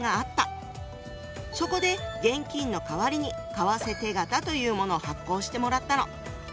そこで現金の代わりに「為替手形」というものを発行してもらったの。